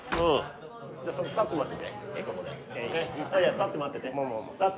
立って待ってて。